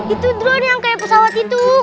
itu drone yang kayak pesawat itu